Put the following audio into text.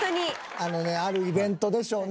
あのねあるイベントでしょうね。